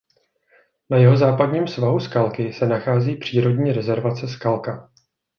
Na jihozápadním svahu Skalky se nachází Přírodní rezervace Skalka.